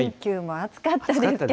暑かったですね。